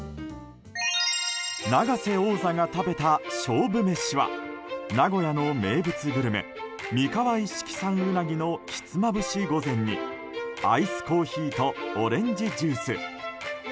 永瀬王座が食べた勝負メシは名古屋の名物グルメ三河一色産うなぎのひつまぶし御膳にアイスコーヒーとオレンジジュース。